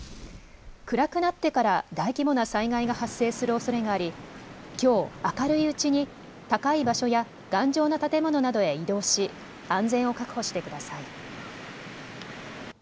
暗くなってから大規模な災害が発生するおそれがありきょう明るいうちに高い場所や頑丈な建物などへ移動し安全を確保してください。